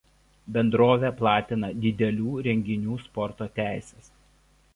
Bendrovė platina didelių renginių sporto teises.